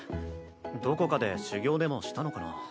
どこかで修業でもしたのかな。